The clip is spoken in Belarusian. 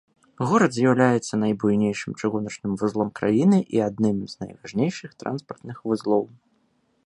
Горад з'яўляецца найбуйнейшым чыгуначным вузлом краіны і адным з найважнейшых транспартных вузлоў.